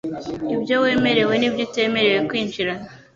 ibyo wemerewe n'ibyo utemerewe kwinjirana